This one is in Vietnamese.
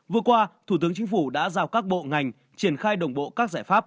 vừa qua thủ tướng chính phủ đã giao các bộ ngành triển khai đồng bộ các giải pháp